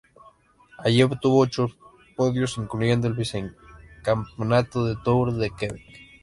Allí obtuvo ocho podios, incluyendo el vicecampeonato del "Tour de Quebec".